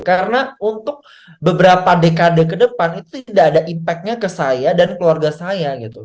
karena untuk beberapa dekade kedepan itu tidak ada impactnya ke saya dan keluarga saya gitu